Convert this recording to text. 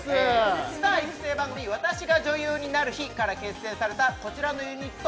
スター育成番組「私が女優になる日」から結成されたこちらのユニット